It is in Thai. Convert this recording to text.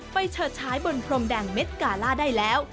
เฉิดฉายบนพรมแดงเม็ดกาล่าได้แล้ว